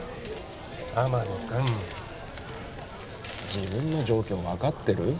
天海君自分の状況分かってる？